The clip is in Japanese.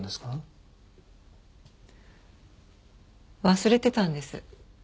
忘れてたんです。